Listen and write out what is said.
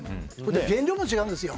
原料も違うんですよ。